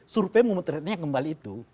survei memutuskannya kembali itu